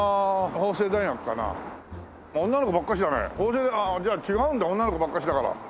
法政ああじゃあ違うんだ女の子ばっかしだから。